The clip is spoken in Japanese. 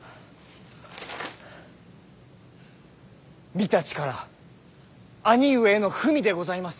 御館から兄上への文でございます。